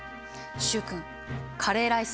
習君カレーライスは？